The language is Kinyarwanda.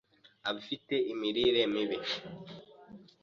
abafite imirire mibi,